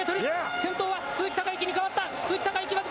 先頭は鈴木孝幸に変わった。